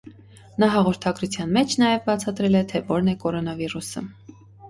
Նա հաղորդագրության մեջ նաև բացատրել է, թե որն է կորոնավիրուսը։